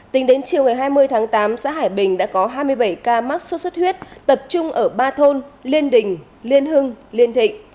tính đến chiều ngày hai mươi tháng tám xã hải bình đã có hai mươi bảy ca mắc sốt xuất huyết tập trung ở ba thôn liên đình liên hưng liên thịnh